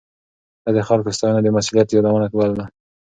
ده د خلکو ستاينه د مسؤليت يادونه بلله.